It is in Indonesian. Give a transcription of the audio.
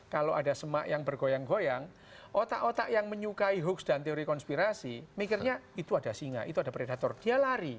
kalau ada semak yang bergoyang goyang otak otak yang menyukai hoax dan teori konspirasi mikirnya itu ada singa itu ada predator dia lari